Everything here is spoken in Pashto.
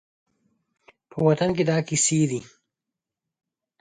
په وطن کې دا کیسې دي